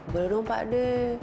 boleh dong pakde